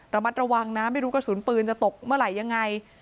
ระมัดระวังนะไม่รู้กระสุนปืนจะตกเมื่อไหร่ยังไง